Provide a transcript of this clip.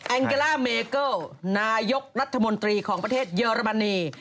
งเกล่าเมเกิลนายกรัฐมนตรีของประเทศเยอรมนี